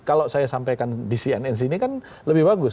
kalau saya sampaikan di cnn sini kan lebih bagus